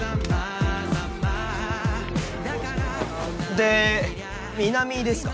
で南ですか？